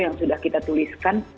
yang sudah kita tuliskan